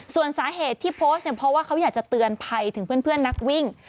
ส่วนสาเหตุที่โพสต์เนี่ยเพราะว่าเขาอยากจะเตือนภัยถึงเพื่อนนักวิ่ง